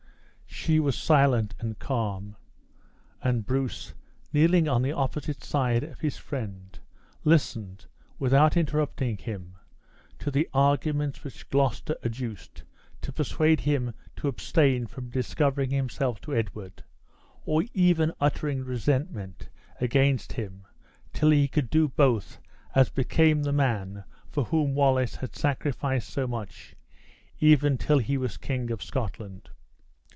She was silent and calm. And Bruce, kneeling on the opposite side of his friend, listened, without interrupting him, to the arguments which Gloucester adduced to persuade him to abstain from discovering himself to Edward, or even uttering resentment against him till he could do both as became the man for whom Wallace had sacrificed so much, even till he was King of Scotland.